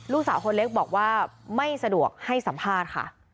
ลูกสาวคนเล็กบอกว่าไม่สะดวกให้สัมภาษณ์ค่ะ